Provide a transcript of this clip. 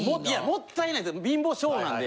もったいないんです貧乏性なんで。